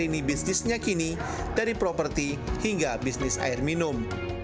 ini bisnisnya kini dari properti hingga bisnis air minum